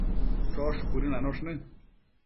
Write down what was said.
Chosh cuëdënanosh në